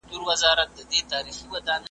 كه تباه غواړئ نړۍ د بندگانو ,